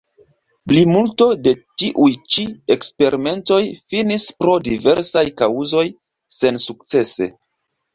Plimulto de tiuj ĉi eksperimentoj finis pro diversaj kaŭzoj sensukcese.